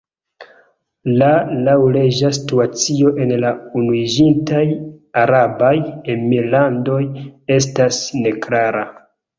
La laŭleĝa situacio en la Unuiĝintaj Arabaj Emirlandoj estas neklara.